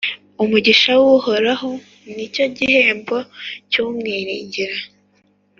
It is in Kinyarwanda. Umugisha w’Uhoraho, ni cyo gihembo cy’umwiringira,